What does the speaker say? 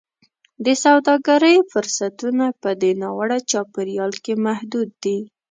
د سوداګرۍ فرصتونه په دې ناوړه چاپېریال کې محدود دي.